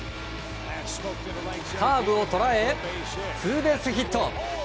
カーブを捉えツーベースヒット。